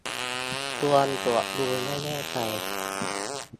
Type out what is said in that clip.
ควรตรวจดูให้แน่ใจ